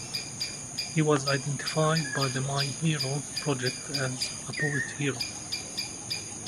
He was identified by The My Hero Project as a poet hero.